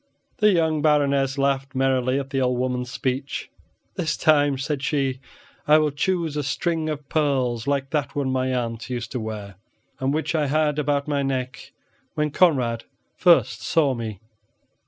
The young Baroness laughed merrily at the old woman's speech. "This time," said she, "I will choose a string of pearls like that one my aunt used to wear, and which I had about my neck when Conrad first saw me."